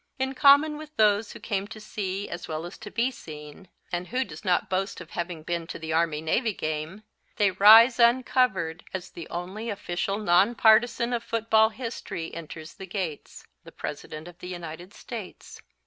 In common with those who came to see, as well as to be seen and who does not boast of having been to the Army Navy game they rise uncovered as the only official non partisan of football history enters the gates the President of the United States.